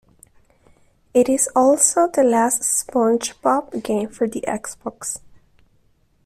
It is also the last SpongeBob game for the Xbox.